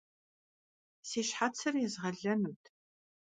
Si şhetsır yêzğelenut.